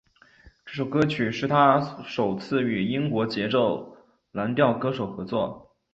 这首歌曲是他首次与英国节奏蓝调歌手合作。